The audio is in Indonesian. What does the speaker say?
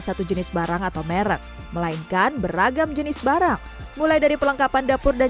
satu jenis barang atau merek melainkan beragam jenis barang mulai dari pelengkapan dapur dan